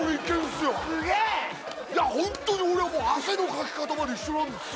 すげえいやホントに俺はもう汗のかき方まで一緒なんですよ